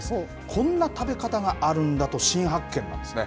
こんな食べ方があるんだと新発見なんですね。